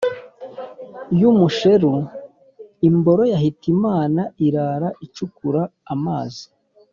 y'u musheru « i m boro ya hitimana/ irara icukura a mazi/